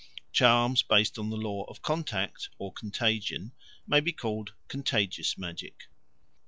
Charms based on the Law of Contact or Contagion may be called Contagious Magic.